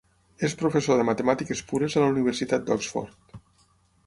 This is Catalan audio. És professor de matemàtiques pures a la Universitat d'Oxford.